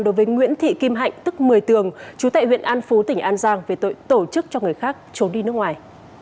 đối với nguyễn thị kim hạnh tức một mươi tường chú tại huyện an phú tỉnh an giang về tội tổ chức cho người khác trốn đi nước ngoài